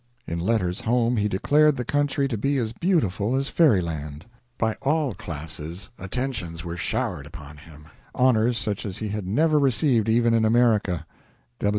In letters home he declared the country to be as beautiful as fairyland. By all classes attentions were showered upon him honors such as he had never received even in America.